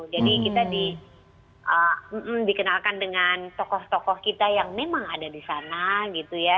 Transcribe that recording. jadi kita dikenalkan dengan tokoh tokoh kita yang memang ada di sana gitu ya